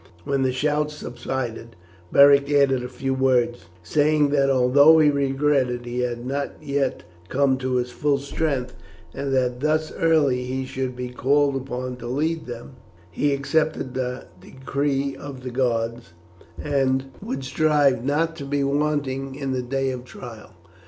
When the shout subsided, Beric added a few words, saying, that although he regretted he had not yet come to his full strength, and that thus early he should be called upon to lead men, he accepted the decree of the gods, and would strive not to be wanting in the day of trial.